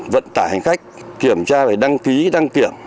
vận tải hành khách kiểm tra về đăng ký đăng kiểm